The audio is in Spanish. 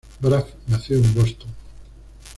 Braff nació en Boston.